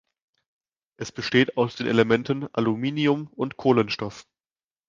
Es besteht aus den Elementen Aluminium und Kohlenstoff.